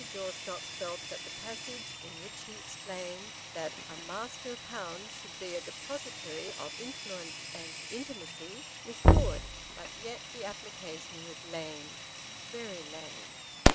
Jawstock felt that the passage in which he explained that a Master of Hounds should be a depositary of influence and intimacy, was good; but yet the application was lame, very lame.